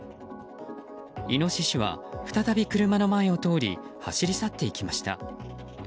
イノシシは再び車の前を通り走り去っていきました。